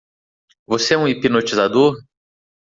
Você é um hipnotizador?